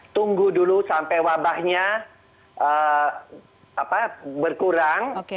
tunggu dulu sampai wabahnya berkurang